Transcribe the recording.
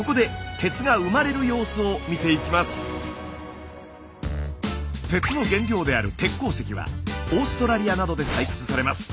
鉄の原料である鉄鉱石はオーストラリアなどで採掘されます。